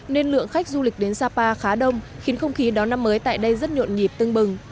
nên lượng khách du lịch đến sapa khá đông khiến không khí đón năm mới tại đây rất nhộn nhịp tưng bừng